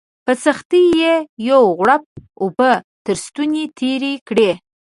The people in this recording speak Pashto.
په سختۍ یې یو غوړپ اوبه تر ستوني تېري کړې